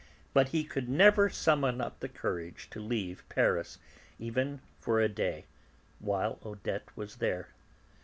But he could never summon up courage to leave Paris, even for a day, while Odette was there.